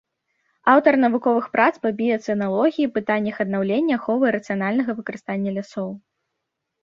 Аўтар навуковых прац па біяцэналогіі, пытаннях аднаўлення, аховы і рацыянальнага выкарыстання лясоў.